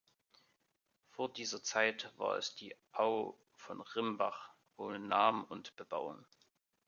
Vor dieser Zeit war es die Au von Rimbach ohne Namen und Bebauung.